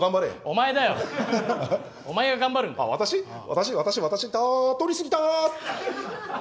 私私私た通り過ぎた！